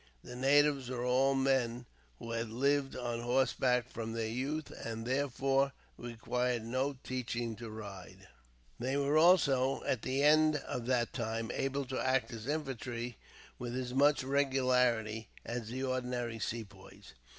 The natives were all men who had lived on horseback from their youth, and therefore required no teaching to ride. They were also, at the end of that time, able to act as infantry, with as much regularity as the ordinary Sepoys.